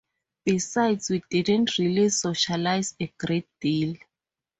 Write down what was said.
Besides, we didn't really socialise a great deal.